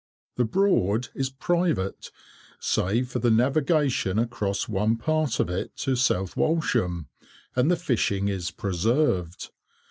The Broad is private, save for the navigation across one part of it to South Walsham, and the fishing is preserved.